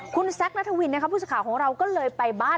คุณแซคนัทวินนะครับผู้สื่อข่าวของเราก็เลยไปบ้าน